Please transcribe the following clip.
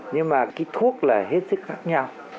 nhưng mà cái thuốc là hết sức khác nhau